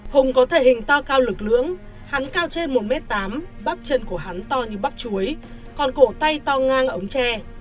hùng có thể hình to cao lực lượng hắn cao trên một m tám bắp chân của hắn to như bắp chuối còn cổ tay to ngang ống tre